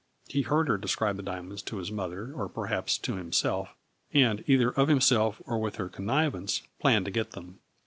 He heard her describe the dia monds to his mother, or perhaps to himself, and, either of himself or with her connivance, planned to get them.